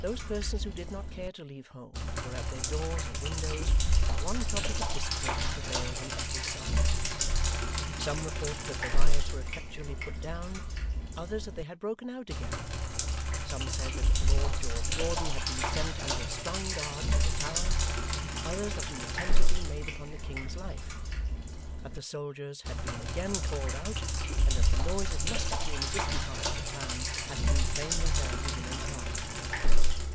Those persons who did not care to leave home, were at their doors or windows, and one topic of discourse prevailed on every side. Some reported that the riots were effectually put down; others that they had broken out again: some said that Lord George Gordon had been sent under a strong guard to the Tower; others that an attempt had been made upon the King's life, that the soldiers had been again called out, and that the noise of musketry in a distant part of the town had been plainly heard within an hour.